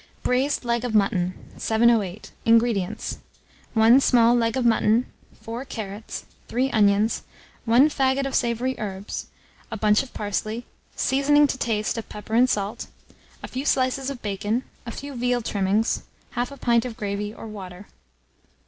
BRAISED LEG OF MUTTON. 708. INGREDIENTS. 1 small leg of mutton, 4 carrots, 3 onions, 1 faggot of savoury herbs, a bunch of parsley, seasoning to taste of pepper and salt, a few slices of bacon, a few veal trimmings, 1/2 pint of gravy or water.